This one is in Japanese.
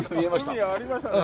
海がありましたね。